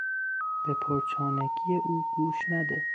به پرچانگی او گوش نده.